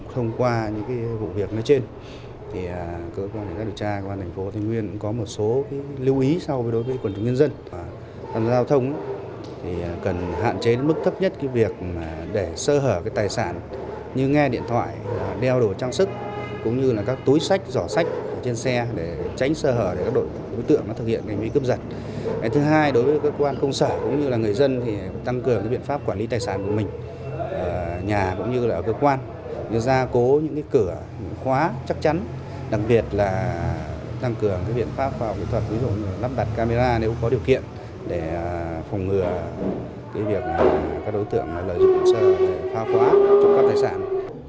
tăng cường biện pháp quản lý tài sản của mình nhà cũng như cơ quan ra cố những cửa khóa chắc chắn đặc biệt là tăng cường biện pháp phòng kỹ thuật ví dụ như lắp đặt camera nếu có điều kiện để phòng ngừa các đối tượng lợi dụng sở phá khóa trong các tài sản